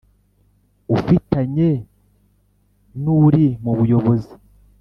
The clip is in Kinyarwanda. ufitanye n uri mu Buyobozi